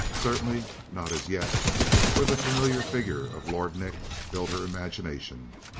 Certainly not as yet, for the familiar figure of Lord Nick filled her imagination.